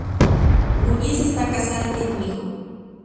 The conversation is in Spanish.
Muñiz está casada y tiene un hijo.